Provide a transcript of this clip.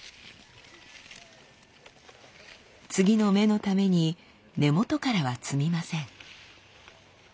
次の芽のために根元からは摘みません。